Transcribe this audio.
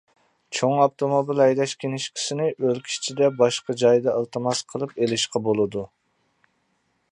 چوڭ ئاپتوموبىل ھەيدەش كىنىشكىسىنى ئۆلكە ئىچىدە باشقا جايدا ئىلتىماس قىلىپ ئېلىشقا بولىدۇ.